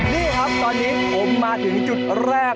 นี่ครับตอนนี้ผมมาถึงจุดแรก